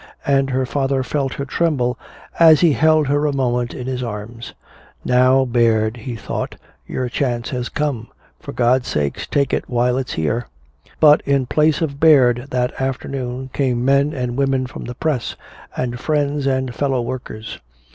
And her father felt her tremble as he held her a moment in his arms. "Now, Baird," he thought, "your chance has come. For God's sake, take it while it's here!" But in place of Baird that afternoon came men and women from the press, and friends and fellow workers.